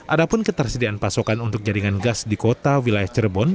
adapun ketersediaan pasokan untuk jaringan gas di kota wilayah cerebon